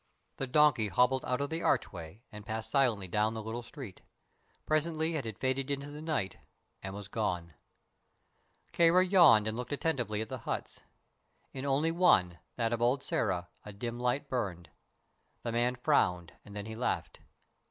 The donkey hobbled out of the archway and passed silently down the little street. Presently it had faded into the night and was gone. Kāra yawned and looked attentively at the huts. In only one, that of old Sĕra, a dim light burned. The man frowned, and then he laughed.